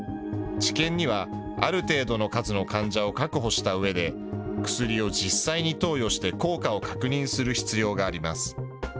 治験には、ある程度の数の患者を確保したうえで、薬を実際に投与して効果を確認する必要があります。